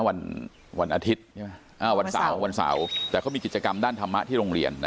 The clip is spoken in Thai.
วันวันอาทิตย์ใช่ไหมวันเสาร์วันเสาร์แต่เขามีกิจกรรมด้านธรรมะที่โรงเรียน